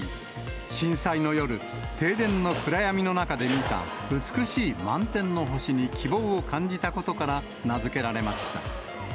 震災の夜、停電の暗闇の中で見た、美しい満天の星に希望を感じたことから名付けられました。